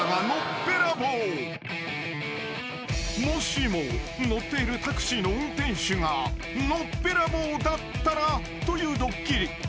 ［もしも乗っているタクシーの運転手がのっぺらぼうだったらというドッキリ］